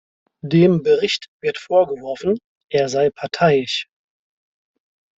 Dem Bericht wird vorgeworfen, er sei parteiisch.